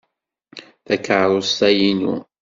Takeṛṛust-a inu.